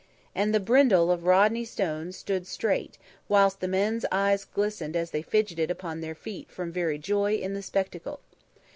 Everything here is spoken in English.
And the brindle of Rodney Stone strain stood, whilst the men's eyes glistened as they fidgeted upon their feet from very joy in the spectacle.